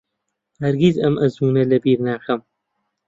هەرگیز ئەم ئەزموونە لەبیر ناکەم.